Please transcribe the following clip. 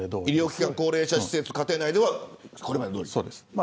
医療機関、高齢者施設家庭内ではこれまでどおり。